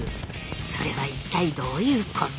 それは一体どういうこと？